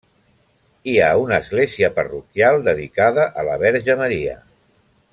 Hi ha una església parroquial dedicada a la Verge Maria.